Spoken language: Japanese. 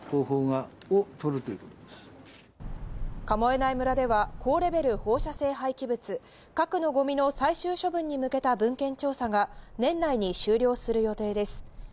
神恵内村では高レベル放射性廃棄物核のごみの最終処分に向けた文献調査が年内に終了する予定です。